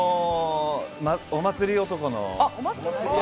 お祭り男の。